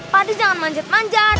pak dek jangan manjat manjat